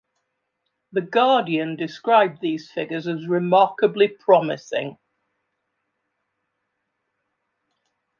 "The Guardian" described these figures as "remarkably promising".